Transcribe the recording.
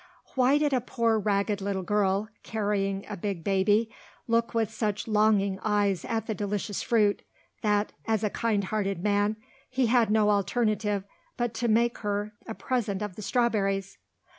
Why did a poor ragged little girl, carrying a big baby, look with such longing eyes at the delicious fruit, that, as a kind hearted man, he had no alternative but to make her a present of the strawberries?